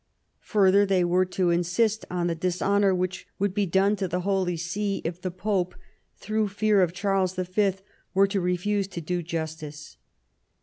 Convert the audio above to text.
Further, they were to insist on the dis honour which would be done to the Holy See if the Pope, through fear of Charles V., were to refuse to do justice.